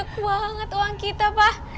wah banyak banget uang kita pak